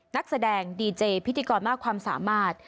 นักแสดงดีเจพิธีกรมากความสามารถ